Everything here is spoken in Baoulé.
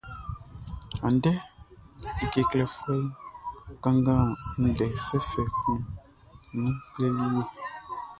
Andɛʼn, like klefuɛʼn kanngan ndɛ fɛfɛ kun nun kle e.